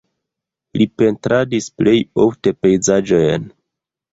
Li pentradis plej ofte pejzaĝojn.